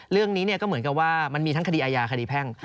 เรื่องนี้ก็เหมือนกับว่ามันมีทั้งคดีอาญาคดีแพ่ง